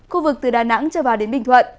khu vực từ đà nẵng trở vào đến bình thuận